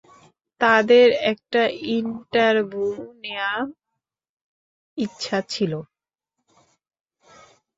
তাঁদের একটা ইন্টারভ্যু নেয়ার ইচ্ছা ছিল।